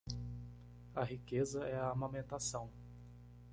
A riqueza é a amamentação